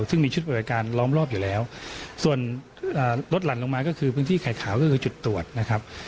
ซึ่งมีชุดบริการล้อมรอบอยู่แล้วส่วนรถหลั่นลงมาก็คือพื้นที่ไข่ขาวก็คือจุดตรวจนะครับ